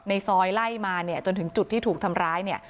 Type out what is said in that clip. ในซอยไล่มาเนี่ยจนถึงจุดที่ถูกทำร้ายเนี่ย